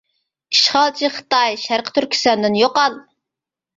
ئىشغالچى خىتاي شەرقى تۈركىستاندىن يوقال !